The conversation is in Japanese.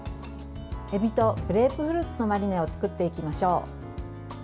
えびとグレープフルーツのマリネを作っていきましょう。